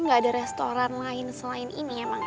gak ada restoran lain selain ini emang ya